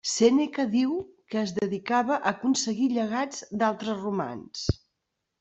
Sèneca diu que es dedicava a aconseguir llegats d'altres romans.